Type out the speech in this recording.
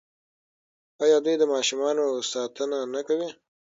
آیا دوی د ماشومانو ساتنه نه کوي؟